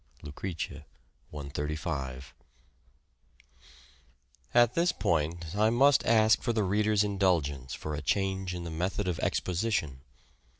(Lucrece 135) AT this point I must ask for the reader's indulgence for a change in the method of exposition.